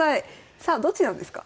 さあどっちなんですか？